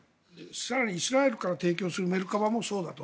更にイスラエルから提供するメルカバもそうだと。